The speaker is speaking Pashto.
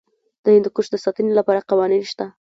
د هندوکش د ساتنې لپاره قوانین شته.